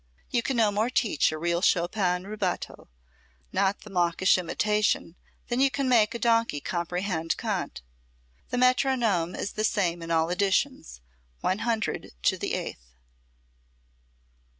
You can no more teach a real Chopin rubato not the mawkish imitation, than you can make a donkey comprehend Kant. The metronome is the same in all editions, 100 to the eighth.